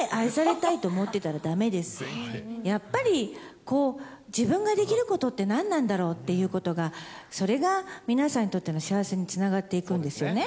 やっぱりこう、自分ができることって何なんだろう？っていうことが、それが皆さんにとっての幸せにつながっていくんですよね。